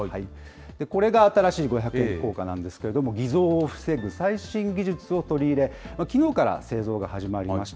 これが新しい五百円硬貨なんですけれども、偽造を防ぐ最新技術を取り入れ、きのうから製造が始まりました。